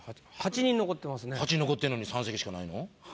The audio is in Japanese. ８人残ってんのに３席しかないの？